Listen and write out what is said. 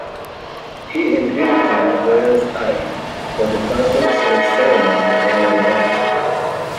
He inherited Goya's eye for the paradox of ceremony and reality.